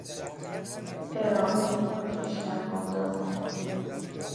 ارائه پیشنهادات